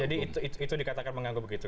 jadi itu dikatakan mengganggu begitu